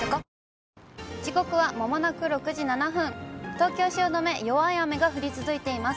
東京・汐留、弱い雨が降り続いています。